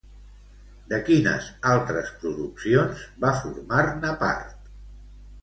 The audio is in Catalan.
De quines altres produccions va formar-ne part?